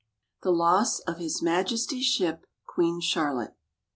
THE LOSS OF HIS MAJESTY'S SHIP, QUEEN CHARLOTTE.